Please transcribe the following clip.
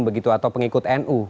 begitu atau pengikut nu